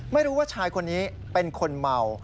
ไม่รู้ว่าชายคนนี้เป็นคนเมา